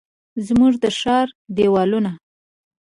زموږ د ښار دیوالونه،